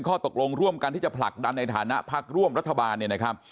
ข้อตกลงร่วมกันที่จะผลักดันในฐานะพักร่วมรัฐบาลเนี่ยนะครับ